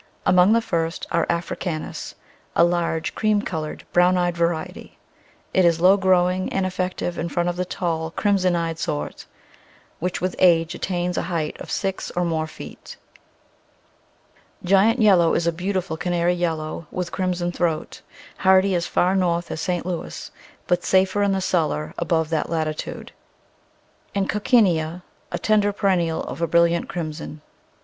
Among the first are Africanus, a large cream coloured, brown eyed variety; it is low growing and effective in front of the tall, crimson eyed sort, which with age attains a height of six or more feet. Giant Yellow is a beautiful canary yellow with crimson throat, hardy as far north as St. Louis, but safer in the cellar above that latitude, and Coc cinea, a tender perennial of a brilliant crimson.